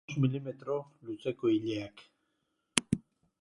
Bost milimetro luzeko ileak.